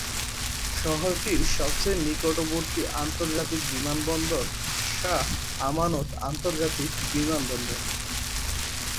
শহরটির সবচেয়ে নিকটবর্তী আন্তর্জাতিক বিমানবন্দর শাহ আমানত আন্তর্জাতিক বিমানবন্দর।